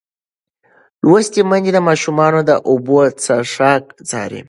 لوستې میندې د ماشومانو د اوبو څښاک څاري.